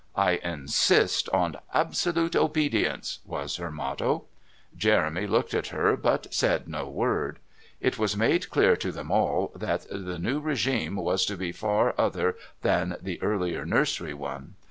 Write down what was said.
"I insist on absolute obedience," was her motto. Jeremy looked at her but said no word. It was made clear to them all that the new regime was to be far other than the earlier nursery one.